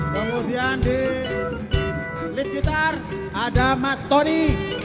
kemudian di lead guitar ada mas tony